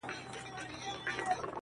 هغوو ته ځکه تر لیلامه پوري پاته نه سوم,